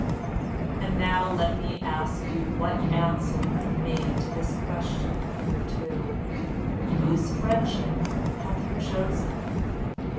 "And now let me ask you what answer you have made to this question hitherto? Whose friendship have you chosen?